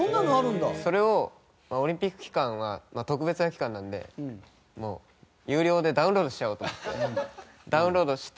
それをオリンピック期間は特別な期間なのでもう有料でダウンロードしちゃおうと思ってダウンロードして。